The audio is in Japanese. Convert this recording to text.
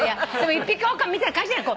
一匹おおかみみたいな感じなの。